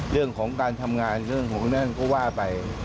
เรื่องของการทำงานเรื่องของนั่นก็ว่าไป